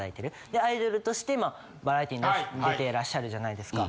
でアイドルとしてバラエティーに出てらっしゃるじゃないですか。